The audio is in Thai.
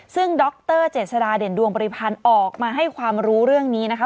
ซึ่งดรเจษฎาเด่นดวงบริพันธ์ออกมาให้ความรู้เรื่องนี้นะคะ